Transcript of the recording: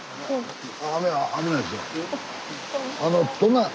雨が危ないですよ。